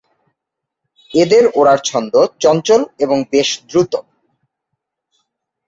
এদের ওড়ার ছন্দ চঞ্চল এবং বেশ দ্রুত।